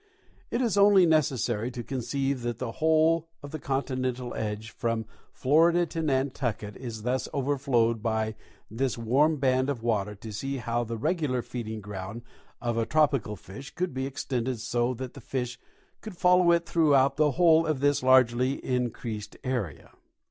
It is only necessary to conceive that the whole of the continental edge from Florida to Nantucket is thus overflowed by this warm band of water to see how the regular feeding ground of a tropical fish could be extended so that the fish could follow it tliroughout the whole of this largely increased area.